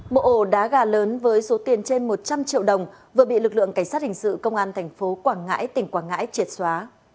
một ổ đá gà lớn với số tiền trên một trăm linh triệu đồng vừa bị lực lượng cảnh sát hình sự công an thành phố quảng ngãi tỉnh quảng ngãi triệt xóa